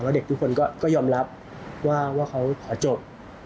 แล้วเด็กทุกคนก็ยอมรับว่าเขาขอจบ